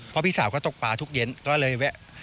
เพราะพี่สาวก็ตกปลาทุกเย็นก็เลยแวะ